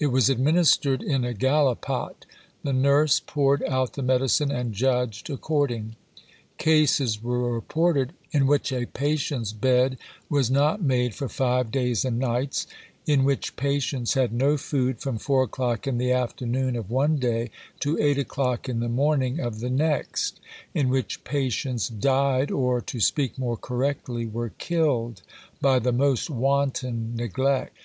It was administered in a gallipot; the nurse "poured out the medicine and judged according." Cases were reported in which a patient's bed was not made for five days and nights; in which patients had no food from 4 o'clock in the afternoon of one day to 8 o'clock in the morning of the next; in which patients died, or, to speak more correctly, were killed, by the most wanton neglect.